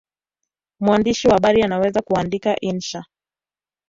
Mwandishi wa habari anaweza kuandika insha